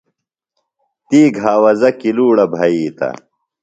تی گھاوزہ کلوڑ بھیتہ۔